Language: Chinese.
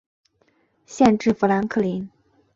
县治富兰克林。